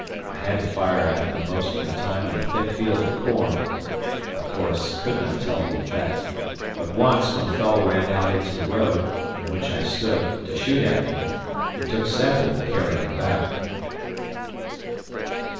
... I had to fire at them most of the time in a thick field of corn, of course, could not tell the effect, but once, when a fellow ran out into the road (in which I stood) to shoot at me, it took several to carry him back.